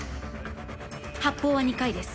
発砲は２回です。